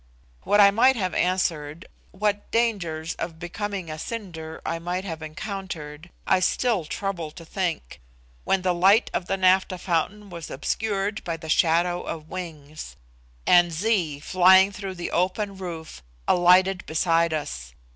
What I might have answered, what dangers of becoming a cinder I might have encountered, I still trouble to think, when the light of the naphtha fountain was obscured by the shadow of wings; and Zee, flying though the open roof, alighted beside us.